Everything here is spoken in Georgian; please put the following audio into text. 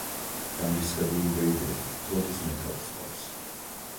განრისხებული ვეიდერი ფლოტის მეთაურს კლავს.